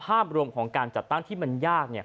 ภาพรวมของการจัดตั้งที่มันยาก